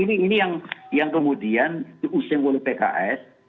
ini yang kemudian diusung oleh pks